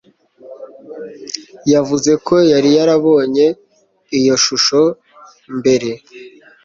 Yavuze ko yari yarabonye iyo shusho mbere